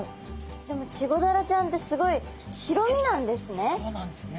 でもチゴダラちゃんってすごいそうなんですね。